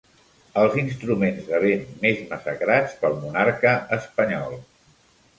Els instruments de vent més massacrats pel monarca espanyol.